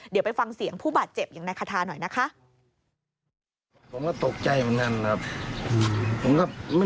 เดี๋ยวไปฟังเสียงผู้บาดเจ็บอย่างนายคาทาหน่อยนะคะ